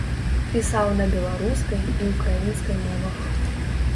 Пісаў на беларускай і ўкраінскай мовах.